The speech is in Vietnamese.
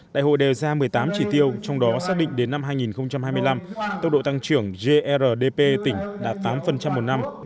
đại hội đề ra một mươi tám chỉ tiêu trong đó xác định đến năm hai nghìn hai mươi năm tốc độ tăng trưởng grdp tỉnh đạt tám một năm